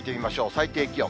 最低気温。